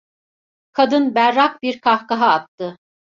Kadın berrak bir kahkaha attı.